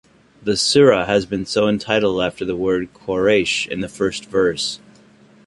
The Surah has been so entitled after the word Quraish in the first verse.